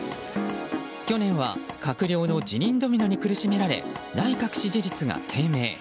去年は閣僚の辞任ドミノに苦しめられ内閣支持率が低迷。